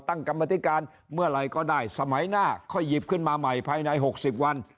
กรรมธิการเมื่อไหร่ก็ได้สมัยหน้าค่อยหยิบขึ้นมาใหม่ภายใน๖๐วัน